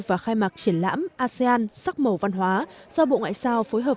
và khai mạc triển lãm asean sắc màu văn hóa do bộ ngoại giao phối hợp